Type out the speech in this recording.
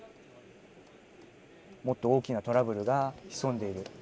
もっと大きなトラブルが潜んでいる。